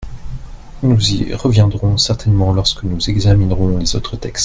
Nous y reviendrons certainement lorsque nous examinerons les autres textes.